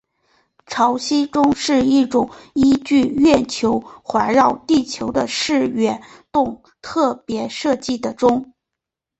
潮汐钟是一种依据月球环绕地球的视运动特别设计的钟。